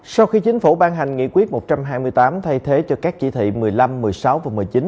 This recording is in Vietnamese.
sau khi chính phủ ban hành nghị quyết một trăm hai mươi tám thay thế cho các chỉ thị một mươi năm một mươi sáu và một mươi chín